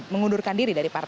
mengundurkan diri dari partai